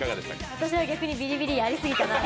私は逆にビリビリやりすぎたなと。